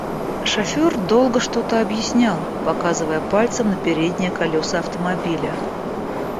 Шофёр долго что-то объяснял, показывая пальцем на передние колёса автомобиля.